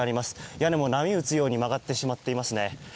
屋根も波打つように曲がってしまっていますね。